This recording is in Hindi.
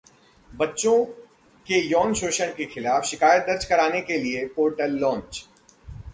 बच्चों के यौन शोषण के खिलाफ शिकायत दर्ज कराने के लिए पोर्टल लॉन्च